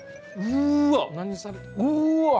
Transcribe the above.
うわ！